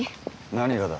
何がだ？